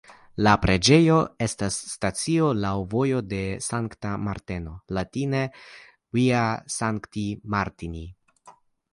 La preĝejo estas stacio laŭ "Vojo de Sankta Marteno" (latine Via Sancti Martini).